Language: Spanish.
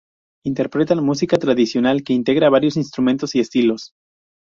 Interpretan música tradicional que integra varios instrumentos y estilos.